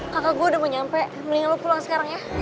kakak gue udah mau nyampe mendingan lu pulang sekarang ya